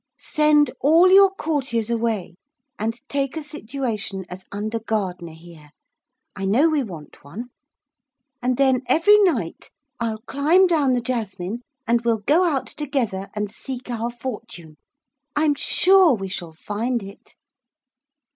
Send all your courtiers away, and take a situation as under gardener here I know we want one. And then every night I'll climb down the jasmine and we'll go out together and seek our fortune. I'm sure we shall find it.'